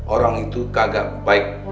orang itu kagak baik